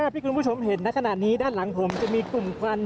พวกผมเห็นณขนาดนี้ด้านหลังผมจะมีกลุ่มพันธุ์